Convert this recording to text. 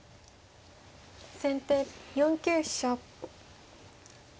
先手４九飛車。